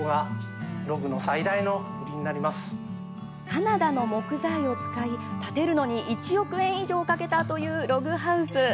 カナダの木材を使い建てるのに１億円以上かけたというログハウス。